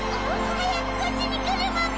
早くこっちに来るモモ！